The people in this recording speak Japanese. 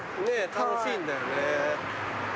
楽しいんだよね。